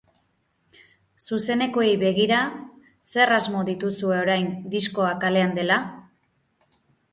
Zuzenekoei begira, zer asmo dituzue orain, diskoa kalean dela?